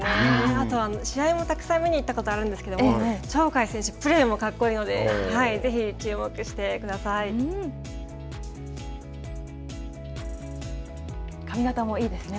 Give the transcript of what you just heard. あと、試合もたくさん見に行ったことがあるんですけれども、鳥海選手プレーも格好いいので、髪形もいいですね。